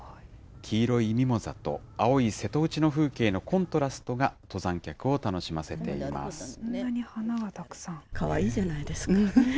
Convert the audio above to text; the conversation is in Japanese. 黄色いミモザと、青い瀬戸内の風景のコントラストが登山客を楽しませています。